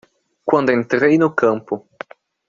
Quando entrei no campo